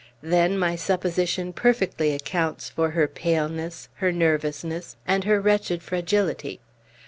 Then, my supposition perfectly accounts for her paleness, her nervousness, and her wretched fragility.